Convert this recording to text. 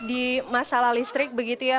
di masalah listrik begitu ya